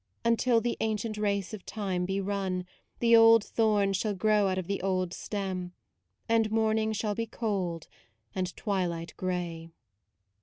Until the ancient race of time be run, The old thorns shall grow out of the old stem; And morning shall be cold and twilight grey.